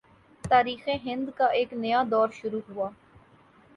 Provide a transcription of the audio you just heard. تاریخ ہند کا ایک نیا دور شروع ہوا